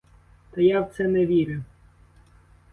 Та я в це не вірю.